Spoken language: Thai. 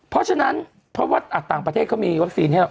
เพราะฉะนั้นเพราะว่าต่างประเทศเขามีวัคซีนให้เรา